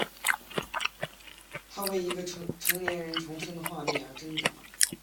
他为一个成年人重生的图画而挣扎。